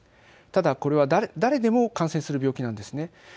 ただこれは誰でも感染する病気なんです。